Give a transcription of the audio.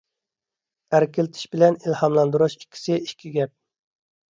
ئەركىلىتىش بىلەن ئىلھاملاندۇرۇش ئىككىسى ئىككى گەپ.